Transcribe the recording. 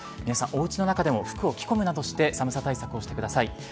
皆さん、おうちの中でも服を着込むなどして、寒さ対策をしてください。